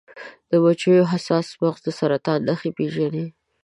د مچیو حساس مغز د سرطان نښې پیژني.